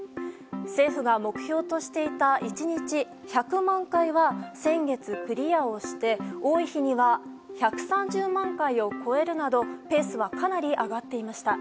政府が目標としていた１日１００万回は先月クリアして多い日には１３０万回を超えるなどペースはかなり上がっていました。